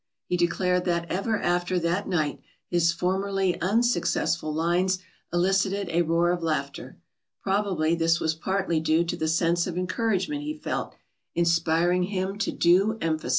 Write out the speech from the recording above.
He declared that ever after that night his formerly unsuccessful "lines" elicited a roar of laughter. Probably this was partly due to the sense of encouragement he felt, inspiring him to due emphasis.